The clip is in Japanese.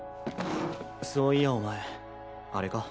そういやお前あれか？